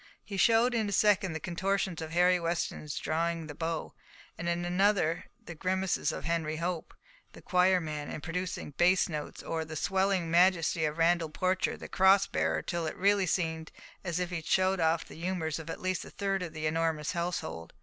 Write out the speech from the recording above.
He showed in a second the contortions of Harry Weston in drawing the bow, and in another the grimaces of Henry Hope, the choir man, in producing bass notes, or the swelling majesty of Randall Porcher, the cross bearer, till it really seemed as if he had shown off the humours of at least a third of the enormous household.